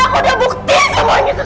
aku udah kasih semuanya ke kamu